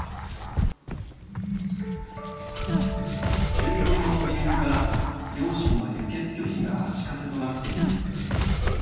「宗教上の理由から両親の輸血拒否が足かせとなっている」